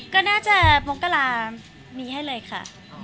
ก็น่าจะมกรามีให้เลยค่ะ